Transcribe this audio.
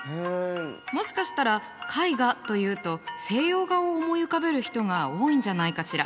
もしかしたら絵画というと西洋画を思い浮かべる人が多いんじゃないかしら？